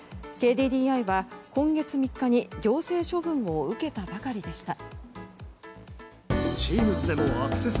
ＫＤＤＩは、今月３日に行政処分を受けたばかりでした。